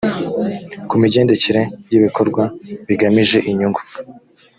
ku migendekere y ibikorwa bigamije inyungu